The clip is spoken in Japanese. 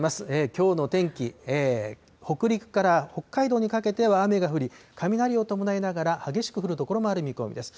きょうの天気、北陸から北海道にかけては雨が降り、雷を伴いながら、激しく降る所もある見込みです。